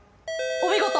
お見事！